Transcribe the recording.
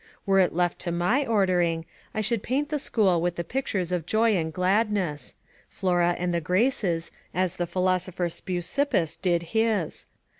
Were it left to my ordering. I should paint the school with the pictures of joy and gladness; Flora and the Graces, as the philosopher Speusippus did his.